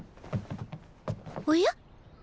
おや？